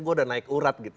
gue udah naik urat gitu